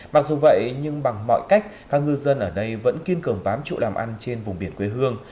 mặc dù vậy nhưng bằng mọi cách các ngư dân ở đây vẫn kiên cường bám trụ làm ăn trên vùng biển quê hương